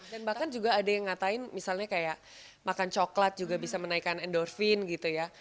dan bahkan juga ada yang ngatain misalnya kayak makan coklat juga bisa menaikkan endorfin gitu ya